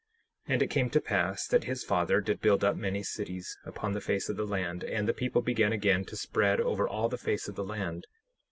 10:4 And it came to pass that his father did build up many cities upon the face of the land, and the people began again to spread over all the face of the land.